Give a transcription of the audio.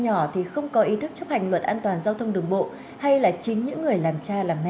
ôi một tí cũng sao cả